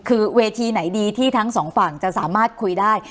คือเวทีไหนดีที่ทั้งสองฝั่งจะสามารถคุยได้